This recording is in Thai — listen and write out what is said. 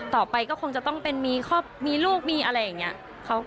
ต่อไปก็คงจะต้องเป็นมีครอบครัวมีลูกมีอะไรอย่างนี้